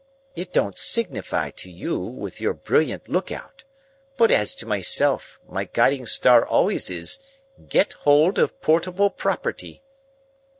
It don't signify to you with your brilliant lookout, but as to myself, my guiding star always is, 'Get hold of portable property'."